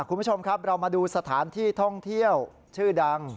คุณผู้ชมครับเรามาดูสถานที่ท่องเที่ยวชื่อดัง